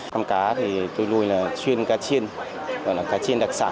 con cá thì tôi nuôi là chuyên cá chiên gọi là cá chiên đặc sản